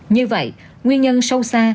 như vậy nguyên nhân sâu xa